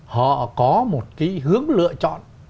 họ có một cái hướng lựa chọn